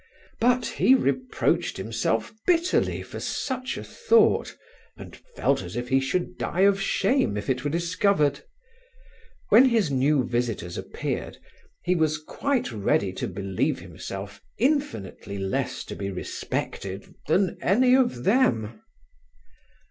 But he reproached himself bitterly for such a thought, and felt as if he should die of shame if it were discovered. When his new visitors appeared, he was quite ready to believe himself infinitely less to be respected than any of them.